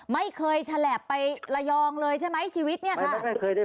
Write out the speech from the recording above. ไม่เคยไปลายองเลยใช่ไหมชีวิตเรา